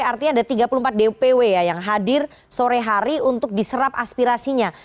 artinya ada tiga puluh empat dpw ya yang hadir sore hari untuk diserap aspirasinya